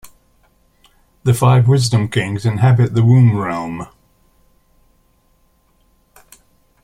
The Five Wisdom Kings inhabit the Womb Realm.